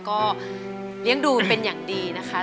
ก็เลี้ยงดูเป็นอย่างดีนะคะ